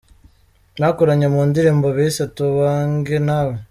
bakoranye mu ndirimbo bise ‘Tubonge Nawe